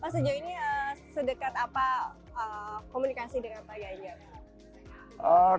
pak sejauh ini sedekat apa komunikasi dengan pak ganjar